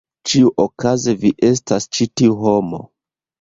Ĉiuokaze vi estas ĉi tiu homo.